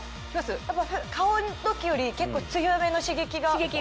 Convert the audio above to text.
顔の時より結構強めの刺激が。